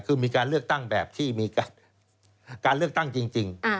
คือมีการเลือกตั้งแบบที่มีการเลือกตั้งจริง